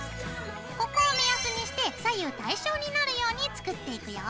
ここを目安にして左右対称になるように作っていくよ。